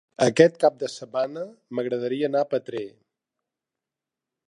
Aquest cap de setmana m'agradaria anar a Petrer.